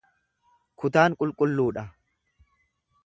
Kutaan qulqulluu dha.